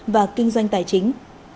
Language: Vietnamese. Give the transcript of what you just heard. và kinh doanh tài chính